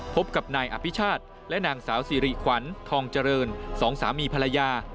พบกับนายอภิชาติและนางสาวสิริขวัญทองเจริญสองสามีภรรยา